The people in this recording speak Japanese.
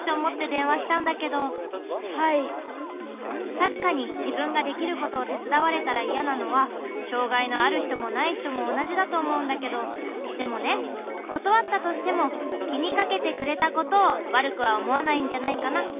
たしかにじぶんができることをてつだわれたらいやなのはしょうがいのあるひともないひともおなじだとおもうんだけどでもねことわったとしてもきにかけてくれたことをわるくはおもわないんじゃないかな。